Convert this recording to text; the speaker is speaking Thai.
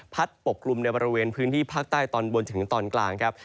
ปกกลุ่มในบริเวณพื้นที่ภาคใต้ตอนบนถึงตอนกลางครับ